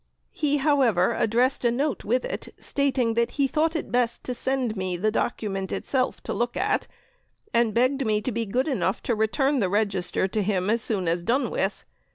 He, however, addressed a note with it stating that he thought it best to send me the document itself to look at, and begged me to be good enough to return the Register to him as soon as done with.